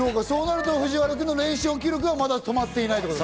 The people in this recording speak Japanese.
そうなると藤原君の連勝記録はまだ止まっていない。